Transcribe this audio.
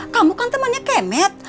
kamu kan temannya kemet